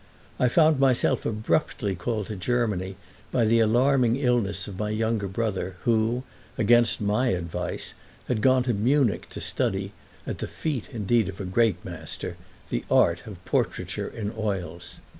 I found myself abruptly called to Germany by the alarming illness of my younger brother, who, against my advice, had gone to Munich to study, at the feet indeed of a great master, the art of portraiture in oils.